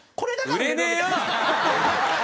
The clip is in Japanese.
売れねえよ！